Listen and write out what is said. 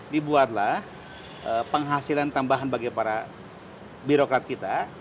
dibuatlah penghasilan tambahan bagi para birokrat kita